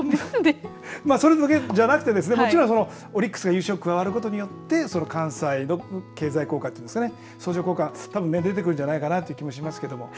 それだけじゃなくてもちろんオリックスが優勝することによって関西の経済効果、相乗効果出てくるんじゃないかなという気もしますけど。